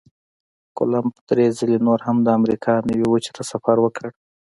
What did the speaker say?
کولمب درې ځلې نور هم د امریکا نوي وچې ته سفر وکړ.